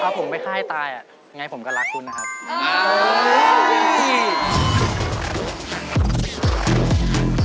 พอผมไปฆ่าให้ตายอ่ะไงผมก็รักคุณนะครับ